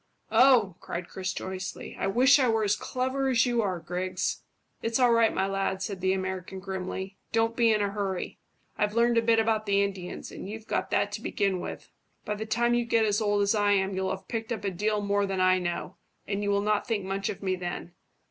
"Oh!" cried Chris joyously. "I wish I were as clever as you are, Griggs." "It's all right, my lad," said the American grimly; "don't be in a hurry. I've learned a bit about the Indians, and you've got that to begin with; by the time you get as old as I am you'll have picked up a deal more than I know, and you will not think much of me then.